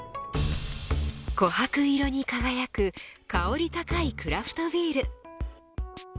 琥珀色に輝く香り高いクラフトビール。